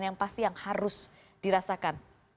yang pasti yang harus dirasakan